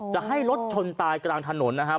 จะให้รถชนตายกลางถนนนะครับ